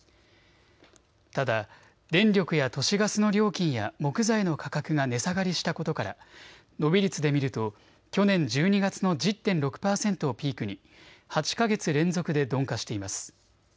ただ電力や都市ガスの料金や木材の価格が値下がりしたことから伸び率で見ると去年１２月の１０．６％をピークに８か月連続で鈍化しています。